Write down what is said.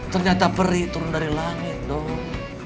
ternyata peri turun dari langit dong